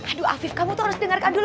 aduh afif kamu tuh harus dengarkan dulu